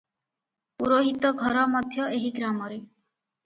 ପୁରୋହିତ ଘର ମଧ୍ୟ ଏହି ଗ୍ରାମରେ ।